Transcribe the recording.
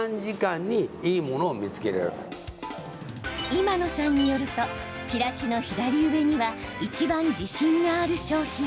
今野さんによるとチラシの左上にはいちばん自信がある商品。